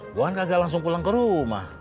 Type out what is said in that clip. gue kan kagak langsung pulang ke rumah